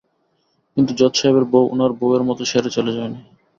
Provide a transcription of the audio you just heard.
কিন্তু জজ সাহেবের বউ উনার বউয়ের মতো ছেড়ে চলে যায়নি।